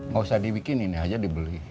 nggak usah dibikin ini aja dibeli